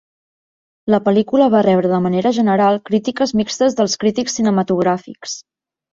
La pel·lícula va rebre de manera general crítiques mixtes dels crítics cinematogràfics.